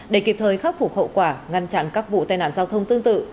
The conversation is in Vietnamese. để kịp thời khắc phục hậu quả ngăn chặn các vụ tai nạn giao thông tương tự